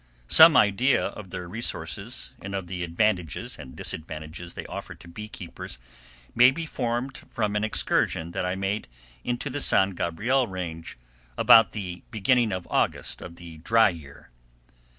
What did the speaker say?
Some idea of their resources, and of the advantages and disadvantages they offer to bee keepers, may be formed from an excursion that I made into the San Gabriel Range about the beginning of August of "the dry year."